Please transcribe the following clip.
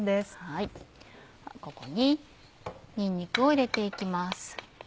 ここににんにくを入れていきます。